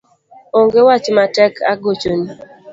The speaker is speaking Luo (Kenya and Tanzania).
Onge wach matek agochoni